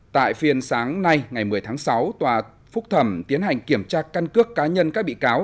tại phiên sáng nay ngày một mươi tháng sáu tòa phúc thẩm tiến hành kiểm tra căn cước cá nhân các bị cáo